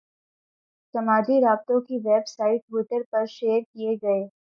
سماجی رابطوں کی ویب سائٹ ٹوئٹر پر شیئر کیے گئے